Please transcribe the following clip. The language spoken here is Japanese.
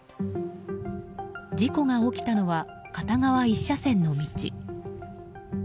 事故が起きたのは片側１車線の道。